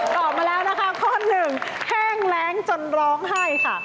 ตอบมาแล้วนะคะข้อหนึ่งแห้งแรงจนร้องไห้ค่ะ